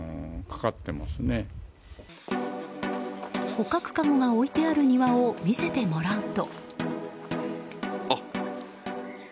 捕獲かごが置いてある庭を見せてもらうと。